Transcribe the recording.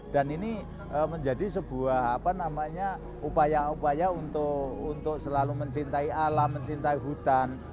dan ini menjadi sebuah upaya upaya untuk selalu mencintai alam mencintai hutan